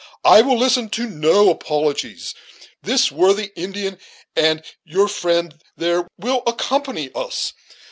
I will listen to no apologies. This worthy Indian, and your friend, there, will accompany us.